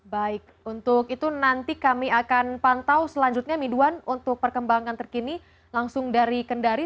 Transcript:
baik untuk itu nanti kami akan pantau selanjutnya midwan untuk perkembangan terkini langsung dari kendari